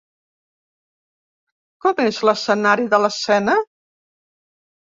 Com és l'escenari de l'escena?